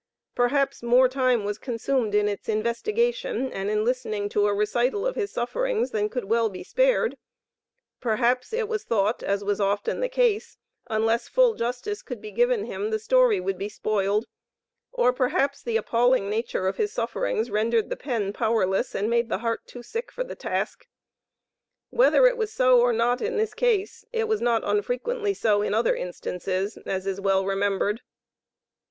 Perhaps more time was consumed in its investigation and in listening to a recital of his sufferings than could well be spared; perhaps it was thought, as was often the case, unless full justice could be given him, the story would be spoiled; or perhaps the appalling nature of his sufferings rendered the pen powerless, and made the heart too sick for the task. Whether it was so or not in this case, it was not unfrequently so in other instances, as is well remembered.